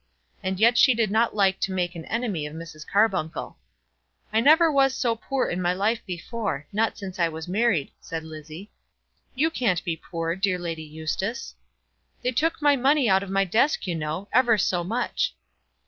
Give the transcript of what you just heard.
And yet she did not like to make an enemy of Mrs. Carbuncle. "I never was so poor in my life before, not since I was married," said Lizzie. "You can't be poor, dear Lady Eustace." "They took my money out of my desk, you know, ever so much."